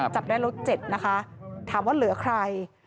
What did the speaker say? จับได้แล้ว๗นะคะถามว่าเหลือใคร